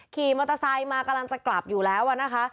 ขี่มอเตอร์ไซค์มากำลังจะกลับอยู่แล้วนะคะ